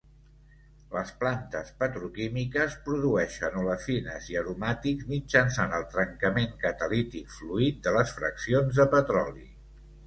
Les plantes petroquímiques produeixen olefines i aromàtics mitjançant el trencament catalític fluid de les fraccions de petroli.